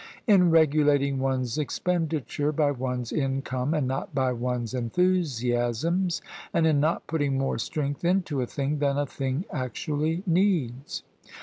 " "In regulating one's expenditure by one's income and not by one's enthusiasms; and in not putting more strength Into a thing than a thing actually needs."